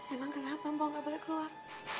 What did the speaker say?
emang kenapa mpok gak boleh keluar